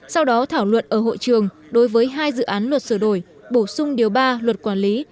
sau đó thảo luận ở hội trường đối với hai dự án luật sửa đổi bổ sung điều ba luật quản lý